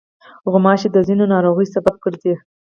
غوماشې د ځینو ناروغیو سبب ګرځي.